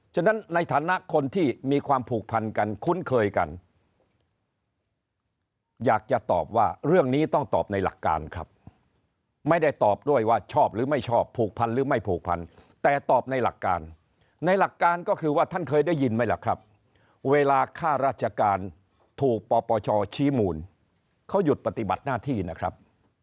ฉะนั้นในฐานะคนที่มีความผูกพันกันคุ้นเคยกันอยากจะตอบว่าเรื่องนี้ต้องตอบในหลักการครับไม่ได้ตอบด้วยว่าชอบหรือไม่ชอบผูกพันหรือไม่ผูกพันแต่ตอบในหลักการในหลักการก็คือว่าท่านเคยได้ยินไหมล่ะครับเวลาค่าราชการถูกปปชชี้มูลเขาหยุดปฏิบัติหน้าที่นะครับ